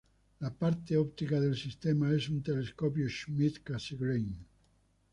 La parte óptica del sistema es un telescopio Schmidt-Cassegrain.